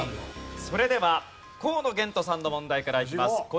それでは河野玄斗さんの問題からいきます。